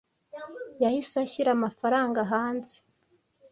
Yahise ashyira amafaranga hanze.